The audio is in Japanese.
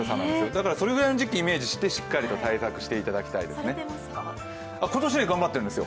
だからそれぐらいの時期をイメージしてしっかりと対策していただくといいと思います。